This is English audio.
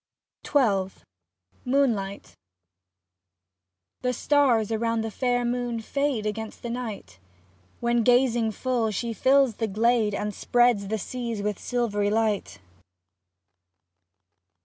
XII MOONLIGHT The stars around the fair moon fade Against the night. When gazing full she fills the glade And spreads the seas with silvery light.